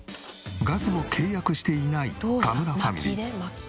ガスを契約していない田村ファミリー。